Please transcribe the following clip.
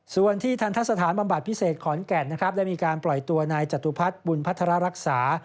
ส่วนที่ทันทะสถานบำบัดพิเศษขอนแก่นนะครับได้มีการปล่อยตัวนายจตุพัฒน์บุญพัฒนารักษา